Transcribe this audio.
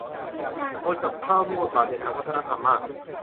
หนวดกับเครามีบทบาทในทางวัฒนธรรมมาก